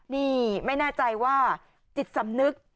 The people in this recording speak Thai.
นี่ไม่แน่ใจว่าจิตสำนึก